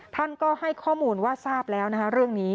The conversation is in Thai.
ท่านก็ให้ข้อมูลว่าทราบแล้วนะคะเรื่องนี้